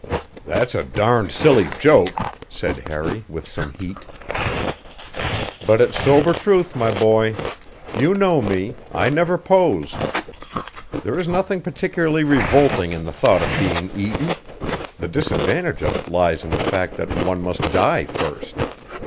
"That's a darned silly joke," said Harry with some heat. "But it's sober truth, my boy. You know me; I never pose. There is nothing particularly revolting in the thought of being eaten; the disadvantage of it lies in the fact that one must die first.